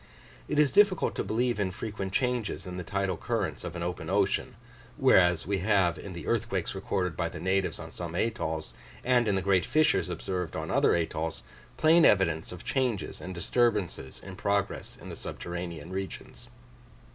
It is difficult to believe in frequent changes in the tidal currents of an open ocean; whereas, we have in the earthquakes recorded by the natives on some atolls, and in the great fissures observed on other atolls, plain evidence of changes and disturbances in progress in the subterranean regions.